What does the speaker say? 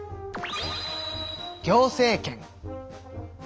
行政権。